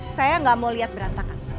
saya nggak mau lihat berantakan